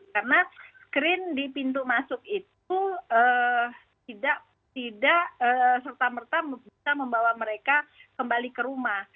karena screen di pintu masuk itu tidak serta merta bisa membawa mereka kembali ke rumah